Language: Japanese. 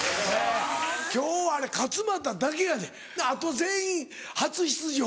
今日は勝俣だけやであと全員初出場。